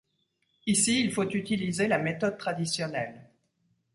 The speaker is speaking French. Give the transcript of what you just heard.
Ici il faut utiliser la méthode traditionnelle.